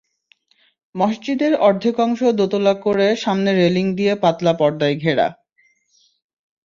মসজিদের অর্ধেক অংশ দোতলা করে সামনে রেলিং দিয়ে পাতলা পর্দায় ঘেরা।